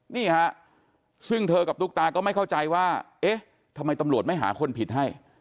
นี่ฮะซึ่งเธอกับตุ๊กตาก็ไม่เข้าใจว่าเอ๊ะทำไมตำรวจไม่หาคนผิดให้